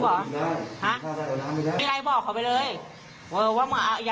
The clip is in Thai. เหมือนสินะครับเรารู้อะไรเราต้องพูดมา